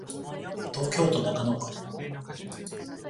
東京都中野区